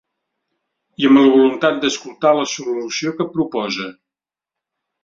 I amb la voluntat d’escoltar la solució que proposa.